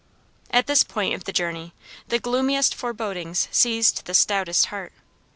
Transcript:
At this point of the journey, the gloomiest forebodings seized the stoutest heart.